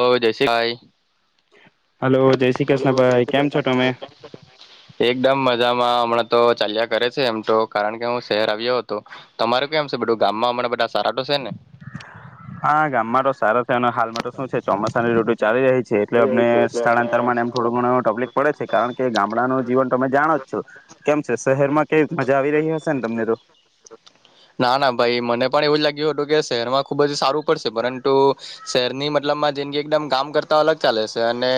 ઓ જયસ ભાઈ હલો જય શ્રી કૃષ્ણ ભાઈ કેમ છો તમે એકદમ મજામાં હમણાં તો ચાલ્યા કરે છે એમ તો કારણ કે હું શહેર આવ્યો હતો તમારું કેમ છે બધું ગામમાં હમણા બધા સારા તો છે ને હા ગામમાં તો સારો છે અને હાલમાં તો શું છે ચોમાસાની ૠતું ચાલી રહી છે એટલે અમને સ્થળાંતર માં એમ થોડું ઘણું તબલિક પડે છે કારણ કે ગામડા ન જીવન તમે જાણો જ છો કેમ છે શહેરમાં કે મજા આવી રહી હશે ને તમને તો ના ના ભાઈ મને પણ એવું જ લાગ્યું હતું કે શહેરમાં ખુબ જ સારું પડશે પરંતુ શહેરની મતલબમાં જિંદગી એકદમ કામ કરતા અલગ ચાલે છે અને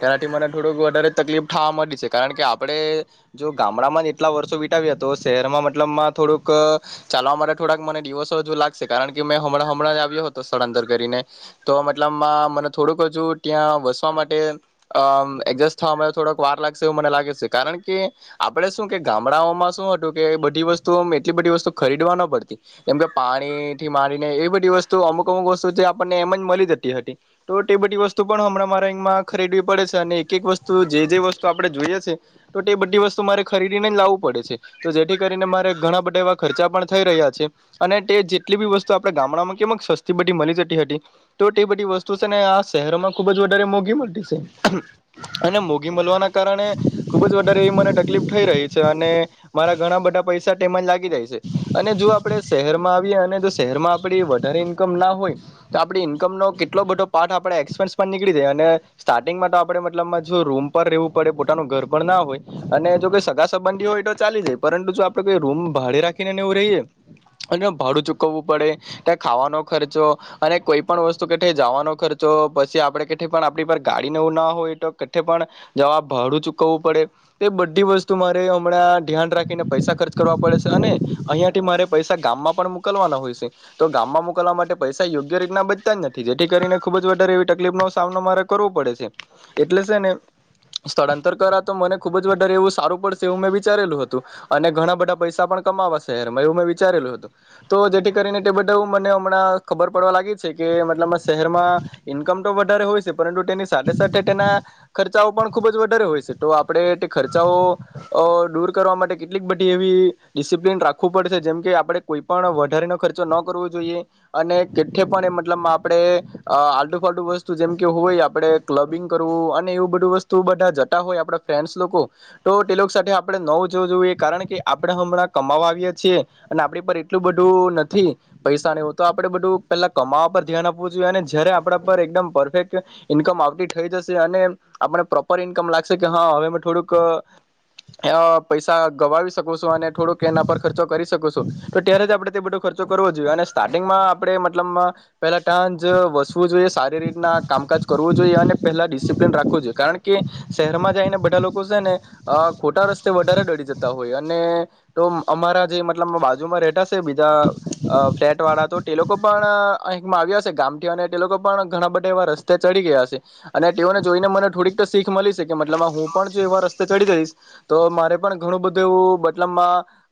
તેનાથી મને થોડુંક વધારે તકલીફ થાવા મળી છે કારણ કે આપડે જો ગામડામાં જ એટલા વર્ષો વિતાવ્યા તો શહેરમાં મતલબમાં થોડુંક ચાલવા માટે થોડાક મને દિવસો હજુ લાગશે કારણ કે મે હં હમણાં આવ્યો હતો સ્થળાંતર કરીને તો મતલબમાં મને થોડુંક હજુ ત્યાં વસવા માટે અ એડજસ્ટ થવા માટે થોડક વાર લાગશે એવું મને લાગે છે કારણ કે આપડે શું કે ગામડાઓમાં શું હતું કે બધી વસ્તુ એટલી બધી વસ્તુ ખરીદવા ન પડતી કેમ કે પાણી થી મારીને એ બધી વસ્તુ અમુક અમુક વસ્તુ જે આપણને એમ જ મળી જતી હતી તો તે બધી વસ્તુ પણ હણાં મારે અહીંમાં ખરીદવી પડે છે અને એક એક વસ્તુ જે જે વસ્તુ આપણે જોઈએ છે તો તે બધી વસ્તુ મારે ખરીદીને જ લાવવું પડે છે તો જેથી કરીને મારે ઘણા બધા એવા ખર્ચા પણ થઈ રહ્યા છે અને તે જેટલી બી વસ્તુ આપણે ગામડામાં કે સસ્તી બધી મળી જતી હતી તો તે બધી વસ્તુ છે ને આ શહેરોમાં ખુબ જ વધારે મોઘી મળતી છે અને મોઘી મળવાના કારણે ખુબ જ વધારે એ મને તકલીફ થઈ રહી છે અને મારા ઘણા બધા પૈસા તેમાં જ લાગી જાય છે અને જો આપણે શહેરમાં આવીએ અને જો શહેરમાં આપ વધારે ઈન્કમ ના હોય તો આપ ઈન્કમ નો કેટલો બધો પાઠ આપ એક્સપેન્સ નીકળી જાય અને સ્ટાર્ટિંગમાં તો આપણે મતલબ જો રૂમ પર રહેવું પડે પોતાનું ઘર પણ ના હોય અને જો કોઈ સગા સંબંધી હોય તો ચાલી જાય પરંતુ જો આપણે કોઈ રૂમ ભાડે રાખી એવું રહીએ અને ભાડું ચુકવવું પડે ત્યાં ખાવાનો ખર્ચો અને કોઈ પણ વસ્તુ કે જવાનો ખર્ચો પછી આપડે કે પણ આપણી પર ગાડીને એવું ના હોય તો કે પણ જવા ભાડું ચૂકવવું પડે એ બધી વસ્તુ મારે હમણાં ધ્યાન રાખીને પૈસા ખર્ચ કરવા પડે છે અને અહંયા થી મારે પૈસા ગામમાં પણ મોકલવાના હોય છે તો ગામમાં મોકલવા માટે પૈસા યોગ્ય રીતના બચતા જ નથી જેથી કરીને ખુબ જ વધારે એવી તકલીફ નો સામનો મારે કરવો પડે છે એટલે છે ને સ્થળાંતર કરા તો મને ખુબ જારે એવું સારું પડશે એવું મેં વિચારેલું હતું અને ઘણા બધા પૈસા પણ ક શહેરમાં એવું મેં વિચારેલું હતું તો જેથી કરીને તે બધા મને હમણાં ખબર પડવા લાગી છે કે મતલબ શહેરમાં ઈન્કમ તો વધારે હોય છે પરંતુ તેની સા સાથે તેના ખર્ચાઓ પણ ખુબ જ વધારે હોય છે તો આપડણે તે ખર્ચાઓ અ દૂર કરવા માટે કેટલીક બધી એવી ડિસિપ્લિન રાખવું પડશે જેમ કે આપણે કોઈ પણ વધારેનો ખર્ચો ન કરવો જોઈએ અને કેટે પણ એ મતલબમાં આપણે આલટુ ફલટું વસ્તુ જેમ કે હોય આપણે ક્લબિંગ કરવું અને એવું બધું વસ્તુ બધા જતા હોય આપણા ફ્રેન્ડ્સ લોકો તો તે લોકો સાથે આપણે ન ઉજવો જોઈએ કારણ કે આપણા હમણાં કમાવા આવીએ છીએ અને આપણી પર એટલું બધું નથી પૈસા હો તો આપડે બધું પેલા કમાવા પર ધ્યાન આપવું જોઈએ અને જયારે આપણા પર એકદમ પરફેક્ટ ઈન્કમ આવતી થઈ જશે અને આપણે પ્રોપર ઈન્કમ લાગશે કે હા હવે થોડુંક પૈસા ગવાવી શકો છો અને થોડુંક એના પર ખર્ચો કરી શકો છો તો ત્યારે જ આપણે તે બધો ખર્ચો કરવો જોઈએ અને સ્ટાર્ટિંગમાં આપણે મતલબ પેલા ટાજ વસવું જોઈએ સારી રીતના કામકાજ કરવું જોઈએ અને પહેલા ડિસિપ્લન રાખવું જોઈએ કારણ કે શહેરમાં જઈને બધા લોકો છે ને ખોટા રસ્તે વધારે દોડી જતા હોય અને તો અમારા જે મતલબ બાજુમાં રહેતાા છે બીજા ફ્લેટ વાળા તો તે લોકો પણ અહીંકમાં આવ્યા છે ગામથી અને તે લોકો પણ ઘણા બધા એવા રસ્તે ચડી ગયા છે અને તેઓને જોઈને મને થોડીક શીખ મળી છે કે મતલબ હું પણ જો એવા રસ્તે ચડી જઈશ તો મારે પણ ઘણું બધું એવું મતલબ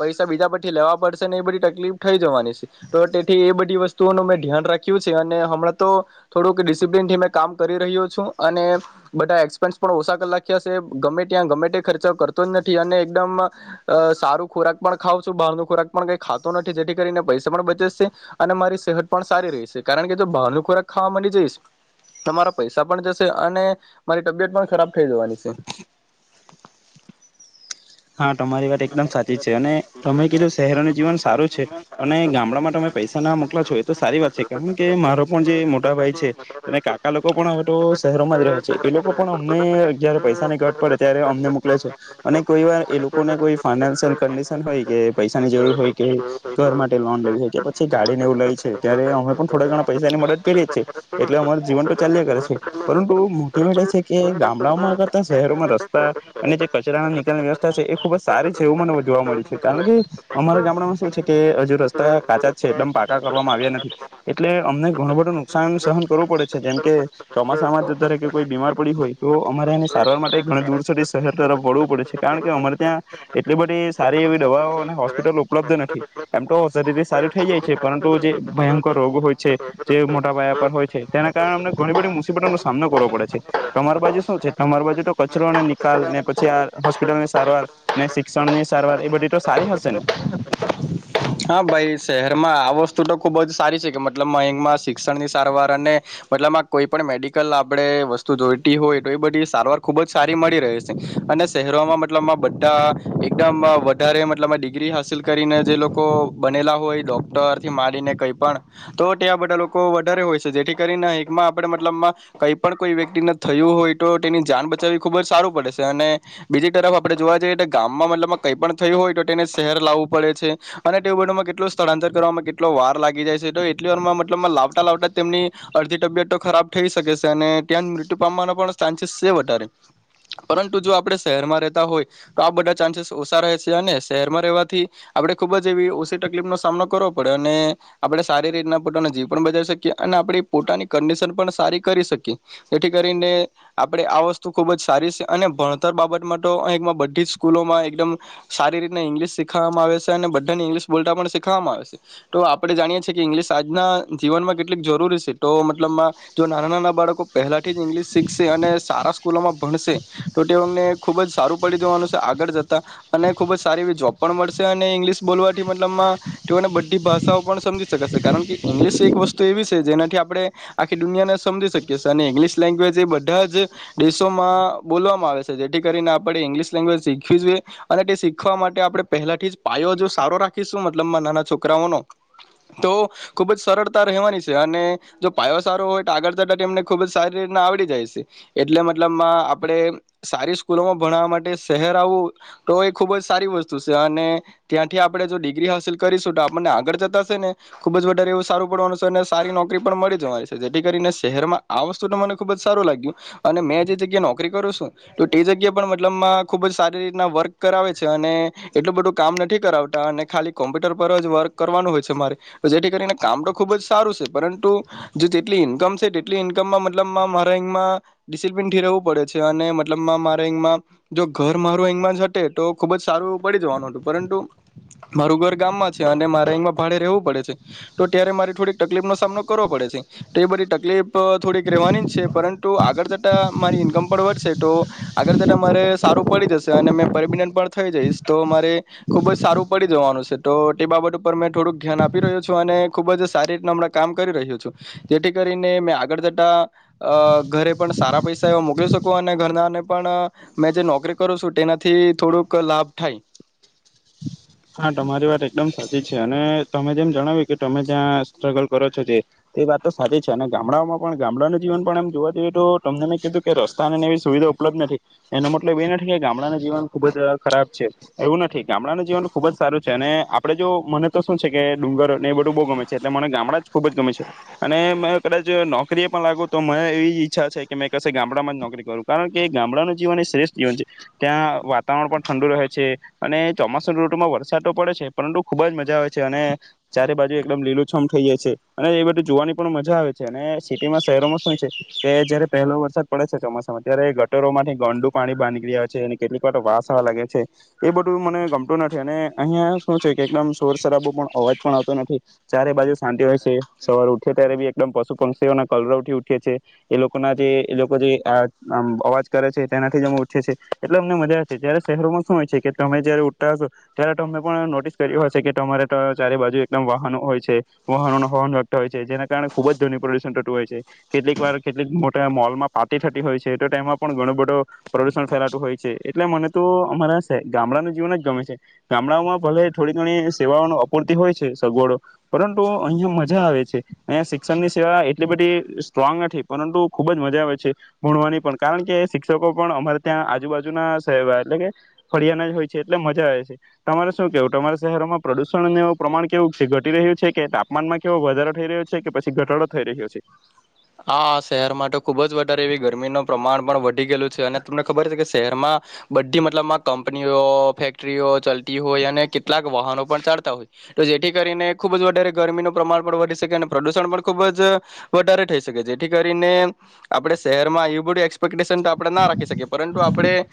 પૈસા બીજા પછી લેવા પડશે ને એ બધી તકલીફ થઈ જવાની છે તો તેથી એ બધી વસ્તુઓ નનું મેં ધ્યાન રાખ્યું છે અને હમણાં તો થોડુંક ડિસિપ્લન થી મે કામ કરી રહ્યો છું અને બધા એક્સપેન્સ પણ ઓછાક લખ્યાશે ગમે ત્યાં ગમે તે ખર્ચો કરતો જ નથી અને એકદમ સારું ખોરાક પણ ખાવ છું બહાર ન ખોરાક પણ કઈ ખાતો નથી જેથી કરીને પૈસા પણ બચેશે અને મારી સેહત પણ સારી રહેશે કારણ કે જો બહાર ન ખોરાક ખાવા મની જઈશ તો મારા પૈસા પણ જશે અને મારી તબિયત પણ ખરાબ થઈ જવાની છે [inaudible] હા તમારી વાત એકદમ સાચી છે અને તમે કીધું શહેરોનું જીવન સારું છે અને ગામડામાં તમે પૈસા ના મોકલા છો એ તો સારી વાત છે કારણ કે મારો પણ જે મોટા ભાઈ છે અને કાકા લોકો પણ હવે તો શહેરોમાં જ રહે છે એ લોકો પણ અમને જયારે પૈસાની ઘટ પડે ત્યારે અમને મોકલે છે અને કોઈ વાર એ લોકો ને કોઈ ફાઈનાન્શિયલ કન્ડિશન હોય કે પૈસાની જરૂર હોય કે ઘર માટે લોન લેવી હોય કે પછી ગાડીને એવું લે છે ત્યારે અમે પણ થોડા ઘણા પૈસાની મદદ કરીએ છીએ એટલે અમાર જીવન તો ચાલ્યા કરે છે પરંતુ મોટી વાત એ છે કે ગામડાઓમાં કરતા શહેરોમાં રસ્તા અને જે કચરાના રસ્તા છે એ ખુબંજ સારી છે એવું મને જોવા મળી છે કારણ કે અમારા ગામડામાં શું છે કે હજુ રસ્તા કાચા જ છે એટલે પાકા કરવામાં આવ્યા નથી એટલે અમને ઘણું બધું નુકસાન સહન કરવું પડે છે જેમ કે ચોમાસામાં જતોરે કોઈ બીમાર પડી હોય તો અમારે એને સારવાર માટે ઘણી દૂર સુધી શહેર તરફ વળવું પડે છે કારણ કે અમારે ત્યાં એટલી બધી સારી એવી દવાઓ અને હોસ્પિટલો ઉપલબ્ધ નથી એમ તો શરીરથી સારી થઈ જાય છે પરંતુ જે ભયંકર રોગ હોય છે જે મોટા પયા પર હોય છે તેના કારણે અમને ઘણી બધી મુસીબતોનો સામનો કરવો પડે છે તમારી બાજુ શું છે તમારી બાજુ તો કચરો અને નિકાલ ને પછી આ હોસ્પિટલ સારવાર ને શિક્ષણ ની સારવાર એ બધી તો સારી હશે ને હા ભાઈ શહેરમાં આ વસ્તુ તો ખૂબ જ સારી છે કે મતલબ અમાં શિક્ષણની સારવાર અને મતલબમાં કોઈ પણ મેડિકલ આપણે વસ્તુ જોઈતી હોય તો એ બધી સારવાર ખૂબ જ સારી મળી રહે છે અને શહેરોમાં મતલબમાં બધા એકદમ વધારે મતલબમાં ડિગ્રી હાસિલ કરીને જે લોકો બનેલા હોય ડોક્ટરથી મારીને કઈ પણ તો ત્યાં બધા લોકો વધારે હોય છે જેથી કરીને એકમાં આપણે મતલબમાં કઈ પણ કોઈ વ્યક્તિને થયું હોય તો તેની જાન બચાવવી ખુબ જ સારું પડે છે અને બીજી તરફ આપડણે જોવા જઈએ ગામમાં મતલબ કઈ પણ થયું હોય તો તેને શહેર લાવવું પડે છે અને એ બધુંમાં કેટલું સ્થળાંતર કરવામાં કેટલો વાર લાગી જાય છે તો એટલી ઓરમાં મતલબમાં લાવટા લાવટા તેમની અડધી તબિયત તો ખરાબ થઈ શકે છે અને ત્યાં જ મૃત્યુ પામવાનો પણ ચાન્સીસ છે વધારે પરંતુ જો આપણે શહેરમાં રહેતા હોય તો આ બધા ચાન્સીસ ઓછા રહે છે અને શહેરમાં રહેવાથી આપણે ખૂબ જ એવી ઓછી તકલીફનો સામનો કરવો પડે અને આપણે સારી રીતના પોતાના જીવ પણ બજાવી શકીએ અને આપણી પોતાની કન્ડિશન પણ સારી કરી શકીએ જેથી કરીને આપણે આ વસ્તુ ખૂબ જ સારી છે અને ભણતર બાબત માટે અહીંમાં બધી જ સ્કૂલોમાં એકદમ સારી રીતને ઇંગ્લિશ શીખવામાં આવે છે બા ઇંગ્લિશ બોલતા પણ શીખવામાં આવેશે તો આપણે જાણીએ છીએ કે ઇંગ્લશ આજના જીવનમાં કેટલીક જરૂરી છે તો મતલબમાં જો નાના નાના બાળકો પહેલાથી જ ઇંગ્લિશ શીખશે અને સારા સ્કૂલોમાં ભણશે તો તેઓને ખુબ જ સારું પડી દેવાનું છે આગળ જતા અને ખુબ જ સારી એવી જોબ પણ મળશે ઇંગ્લિશ બોલવાથી મતલબમાં તેઓને બધી ભાષાઓ પણ સમજી શકાશે કારણ કે ઇંગ્લિશ એક વસ્તુ એવી છે જેનાથી આપણે આખી દુનિયાને સમજી શકીએ અને ઇંગ્લિશ લેંગ્વેજ એ બધા જ દેશોમાં બોલવામાં આવે છે જેથી કરીને આપણે ઇંગ્લિશ લેંગ્વેજ શીખવી જોઈએ અને તે શીખવા માટે આપણે પહેલાથી જ પાયો જો સારો રાખીશું મતલબમાં નાના છોકરાઓનો તો ખુબ જ સરળતા રહેવાની છે અને જો પાયો સારો હોય તો આગળ જતા એમને ખુબ જ સારી રીતના આવડી જાય છે એટલે મતલબમાં આપણે સારી સ્કૂલોમાં ભણવા માટે શહેર આવવું તો એ ખુબ જ સારી વસ્તુ છે અને ત્યાંથી આપણે જો ડિગ્રી હાસિલ કરીશું તો આપણને આગળ જતાશે ને ખુબ જ વધારે એવું સારું પડવાનું છે અને સારી નોકરી પણ મળી જવાની છે જેથી કરીને શહેરમાં આ વસ્તુ તો મને ખુબ જ સારું લાગ્યું અને મેં જે જગ્યા નોકરી કરું છું તો તે જગ્યા પણ મતલબમાં ખુબ જ સારી રીતના વર્ક કરાવે છે અને એટલું બધું કામ નથી અને ખાલી કોમ્પ્યુટર પર જ વર્ક કરવાનું હોય છે મારે જેથી કરીને કામ તો ખુબ જ સારું છે પરંતુ જે જેટલી ઈન્કમ છે તેટલી ઈન્કમમાં મતલબમાં મારે એમાં ડિસિપ્લિન થી રહેવું પડે છે અને મતલબ મારે એમાં જો ઘર મારું એંમાં જ હટે તો ખુબ જ સારું એવું પડી જવાનું હતું પરંતુ મારું ઘર ગામમાં છે અને મારે અહીંમાં ભાડે રહેવું પડે છે તો ત્યારે મારે થોડીક તકલીફ નો સામનો કરવો પડે છે તો એ બધી તકલીફ થોડીક રહેવાની જ છે પરંતુ આગળ જતા મારી ઈન્કમ પણ વધશે, તો આગળ જતા મારે સારું પડી જશે અને પરમિનન્ટ પણ થઈ જઈશ, તો મારે ખુબ જ. સારું પડી જવાનું છે તો તે બાબત ઉપર મેં થોડુંક ધ્યાન આપી રહ્યો છું, અને ખૂબ જ સારી રીતના હમણાં કામ કરી રહ્યો છું, જેથી કરીને મેં આગળ જતા ઘરે પણ સારા પૈસા એવા મોકલી શકો, અને ઘરનાને પણ મેં જે નોકરી કરું છું તેનાથી થોડુંક લાભ થાય. હા તમારી વાત એકદમ સાચી છે અને તમે જેમ જણાવ્યું કે તમે ત્યાં સ્ટ્રગલ કરો છો, તે તે વાત તો સાચી છે. અને ગામડાઓમાં પણ, ગામડાનું જીવન પણ એમ જોવા જઈએ તો, તમને મેં કીધું કે રસ્તા અને એવી સુવિધા ઉપલબ્ધ નથી, એનો મતલબ એ નથી કે ગામડાનું જીવન ખુબ જ ખરાબ છે. એવું નથી ગામડાનું જીવન. ખુબ જ સારું છે. અને આપણે જો મને તો શું છે કે ડુંગર એ બધું બહુ ગમે છે, એટલે મને ગામડા જ ખૂબ જ ગમી છે. અને મે કદાચ નો નોકરીએ પણ લાગો તો મને એવી જ ઈચ્છા છે કે મેં કશે ગામડામાં જ નોકરી કરું, કારણ કે ગામડાનું જીવન એ શ્રેષ્ઠ જીવન છે. ત્યાં વાતાવરણ પણ ઠંડુ રહે છે અને ચોમાસું રોડ માં વરસાદ તો પડે છે, પરંતુ ખુબ જ મજા આવે છે. અને ચારે બાજુ એકદમ લીલું છમ થઈ જાય છે, અને એ બધું જોવાની પણ મજા આવે છે. અને સિટીમાં, શહેરોમાં શું છે કે જયારે પહેલો વરસાદ પડે છે ચોમાસામાં ત્યારે ગટરો માંથી ગંડુ પાણી બહાર નીકળી આવે છે, અને કેટલીક વાર વાસ પણ આવ છે એ બધું મને ગમતું નથી. અને અહિયાં શું છે કે એકદમ શોર શરાબો પણ અવાજ પણ આવતો નથી. ચારે બાજુ શાંતિ હોય છે. સવાર ઉઠે ત્યારે બી એકદમ પશુ પંક્ષીઓના કલરવઠી ઉઠે છે. એ લોકો ના જે એ લોકો જે આ અવાજ કરે છે તેનાથી જ અ ઊઠે છે. એટલે અમને મજા આવે છે. જ્યારે શહેરોમાં શું હોય છે કે તમે જયારે ઉઠતા હશો. ત્યારે તમે પણ નોટિસ કર્યું હશે કે તમારે તો ચારે બાજુ એકદમ વાહનો હોય છે. વાહનો નો હોન વાગતાં હોય છે, જેના કારણે ખુબ જ ધન પ્રદુષણ થતું હોય છે. કેટલીક વાર કેટલીક મોટા મોલમાં પાટી થતી હોય છે, તો તેમાં પણ ઘણું બધો પ્રદુષણ ફેલાતું હોય છે, એટલે મને તો અમારા ગામડાનું જીવન જ ગમે છે. ગામડાઓમાં ભલે થોડી ઘણી સેવાઓનો અપૂરતિ હોય છે, સગવડો પરંતુ અહિયાં મજા આવે છે, અહીંયા શિક્ષણની સેવા એટલી બધી સ્ટ્રોંગ નથી, પરંતુ ખુબ જ મજા આવે છે. ભણવાની પણ કારણ કે શિક્ષકો પણ અમારે ત્યાં આજુબાજુના સવા એટલે કે ફરિયાના જ હોય છે, એટલે મજા આવે છે. તમારે શું કેવું તમારા શહેરોમાં પ્રદુષણનું પ્રમાણ કેવું છે. ઘટી રહ્યું છે કે તાપમાનમાં કેવો વધારો થઈ રહ્યો છે કે, પછી ઘટાડો થઈ રહ્યો છે. હા, શહેરમાં તો ખુબ જ વધારે એવી ગરમીનું પ્રમાણ પણ વધી ગયેલું છે. અને તમને ખબર છે કે શહેરમાં બધી મતલબમાં કંપનીઓ ફેક્ટરીઓ ચતી. હોય અને કેટલાક વાહનો પણ ચાલતા હોય છે. તો જેથી કરીને ખુબ જ વધારે ગરમીનું પ્રમાણ પણ વધી શકે, અને પ્રદુષણ પણ ખુબ જ વધારે શકે, જેથી કરીને આપણે શહેર એવી બધી આપણે ના રાખી શકીએ, પરંતુ આપણે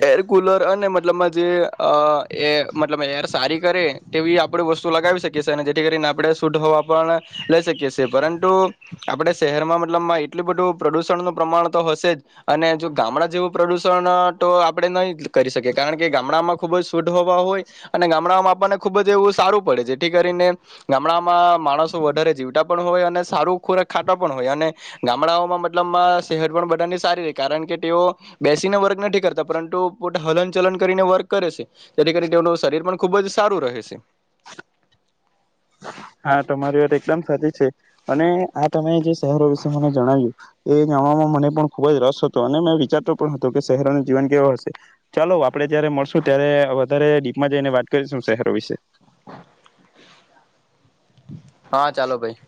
એર કુલર અને, મતલબ જે અ એ મતલબ એર સારી કરે તેવી આપણે વસ્તુ લગાવી શકીએ, અને જેથી કરીને આપણે શુદ્ધ હવા પણ લઈ શકીએ, પરંતુ આપણે શહેરમાં મતલબ એટલું બધું પ્રદુષણનું પ્રમાણ તો હશે જ. અને જો ગામડા જેવું પ્રદુષણ તો આપણે નહી કરી શકીએ, કારણ કે ગામડામાં ખુબ જ શુદ્ધહવા હોય. અને ગામડામાં આપણને ખુબ જ એવું સારું પડે, જેથી કરીને ગામડામાં માણસો વધારે જીવતા પણ હોય અને સારું ખોરાક ખાટો પણ હોય અને ગામડાઓમાં મતલબમાં શહેર પણ બધાની સારી રહે, કારણ કે તેઓ બેસીને વર્ક નથી કરતા, પરંતુ પોતે હલન ચલન કરીને વર્ક કરે છે, તેથી કરીને તેનું શરીર પણ ખૂબ જ સારું રહે છે. હા, તમારી વાત એકદમ સાચી છે, અને આ તમે જે. વિશે મને જણાવ્યું. એ જણવામાં મને પણ ખુબ જ રસ હતો અને મેં વિચારતો પણ હતો કે શહેરોનું જીવન કેવો હશે. ચાલો, આપડે જયારે મળશું ત્યારે વધારે ડીપમાં જઈને વાત કરીશું. શહેરો વિશે. [unintelligible] હા, ચાલો ભાઈ.